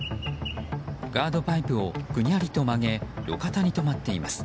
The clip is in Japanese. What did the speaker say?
ガードパイプをぐにゃりと曲げ路肩に止まっています。